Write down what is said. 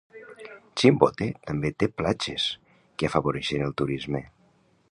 Chimbote també té platges que afavoreixen el turisme.